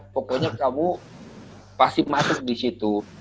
pokoknya kamu pasti mati di situ